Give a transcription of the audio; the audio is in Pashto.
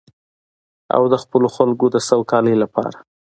او د خپلو خلکو د سوکالۍ لپاره.